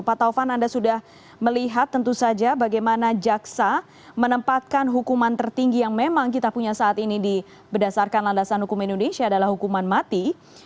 pak taufan anda sudah melihat tentu saja bagaimana jaksa menempatkan hukuman tertinggi yang memang kita punya saat ini berdasarkan landasan hukum indonesia adalah hukuman mati